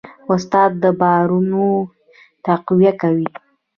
استاد د باورونو تقویه کوي.